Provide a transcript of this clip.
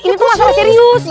ini tuh masalah serius